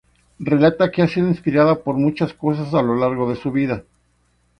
Relata que ha sido inspirada por muchas cosas a lo largo de su vida.